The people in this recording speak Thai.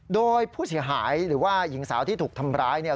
โดยผู้เสียหายหรือว่าหญิงสาวที่ถูกทำร้ายเนี่ย